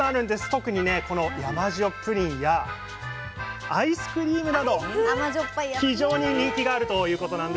特にねこの山塩プリンやアイスクリームなど非常に人気があるということなんです。